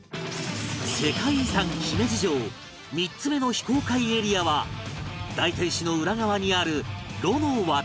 世界遺産姫路城３つ目の非公開エリアは大天守の裏側にあるロの渡櫓